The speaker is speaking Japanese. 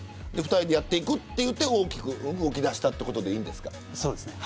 ２人でやっていくということで大きく動きだしたということですか。